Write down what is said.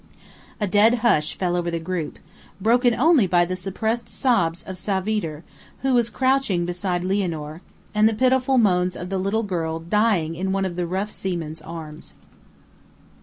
A dead hush fell over the group, broken only by the suppressed sobs of Savitre, who was crouching beside Lianor, and the pitiful moans of the little girl dying in one of the rough seamen's arms.